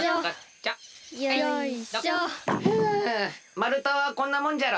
まるたはこんなもんじゃろ。